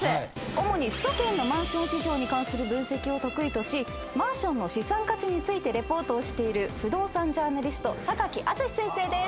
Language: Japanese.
主に首都圏のマンション市場に関する分析を得意としマンションの資産価値についてリポートをしている不動産ジャーナリスト榊淳司先生です。